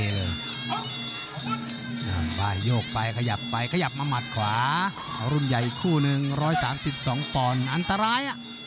หลุมใหญ่อีกคู่หนึ่ง๑๓๒ปอนด์อันตราย